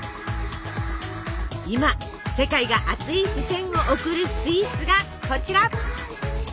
今世界が熱い視線を送るスイーツがこちら！